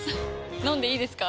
飲んでいいですか？